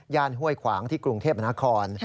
ย่านห้วยขวางที่กรุงเทพฯบรรณาคล